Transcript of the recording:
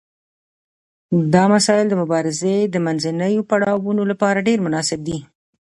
دا مسایل د مبارزې د منځنیو پړاوونو لپاره ډیر مناسب دي.